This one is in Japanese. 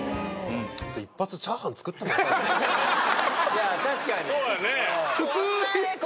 いや確かに。